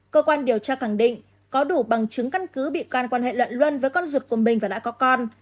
cơ quan điều tra khẳng định có đủ bằng chứng căn cứ bị can quan hệ luận luân với con ruột của mình và đã có con